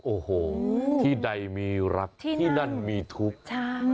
โอ้โหที่ใดมีรักที่นั่นมีทุกข์